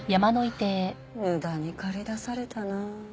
無駄に駆り出されたな。